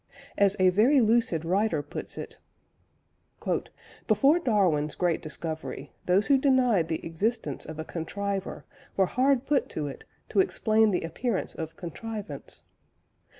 As a very lucid writer puts it: "Before Darwin's great discovery, those who denied the existence of a Contriver were hard put to it to explain the appearance of contrivance.